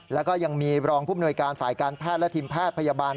แล้วก็ยังมีรองภูมิหน่วยการฝ่ายการแพทย์และทีมแพทย์พยาบาล